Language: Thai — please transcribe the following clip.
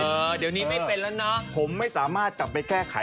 เดี๋ยวนี้ไม่เป็นแล้วเนอะ